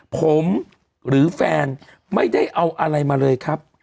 ผมหรือแฟนไม่ได้เอาอะไรมาเลยครับ